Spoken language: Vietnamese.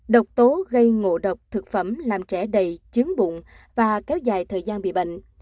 độc tố gây ngộ độc thực phẩm làm trẻ đầy chứng bụng và kéo dài thời gian bị bệnh